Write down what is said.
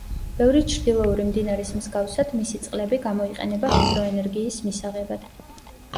ბევრი ჩრდილოური მდინარის მსგავსად, მისი წყლები გამოიყენება ჰიდროენერგიის მისაღებად.